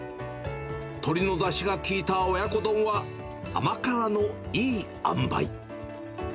鶏のだしが効いた親子丼は、甘辛のいい塩梅。